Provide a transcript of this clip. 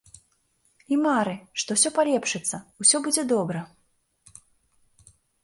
І мары, што ўсё палепшыцца, усё будзе добра.